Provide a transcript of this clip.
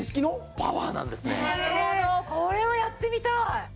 なるほどこれはやってみたい！